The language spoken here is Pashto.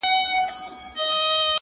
په فریاد یې وو پر ځان کفن څیرلی،